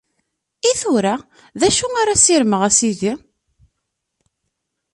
I tura, d acu ara ssirmeɣ, a Sidi?